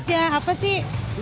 ya apa sih